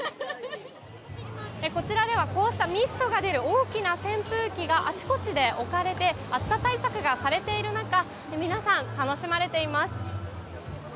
こちらではこうしたミストが出る大きな扇風機があちこちで置かれて暑さ対策がされている中皆さん、楽しまれています。